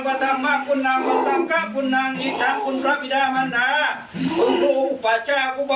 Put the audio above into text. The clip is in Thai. พระแม่พระขงขาพประเพลิงพระภลายพระอีสวนผู้เป็นเจ้าขวาเถอะ